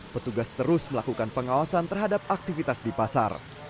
petugas terus melakukan pengawasan terhadap aktivitas di pasar